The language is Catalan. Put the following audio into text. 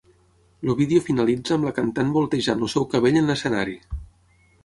El vídeo finalitza amb la cantant voltejant el seu cabell en l'escenari.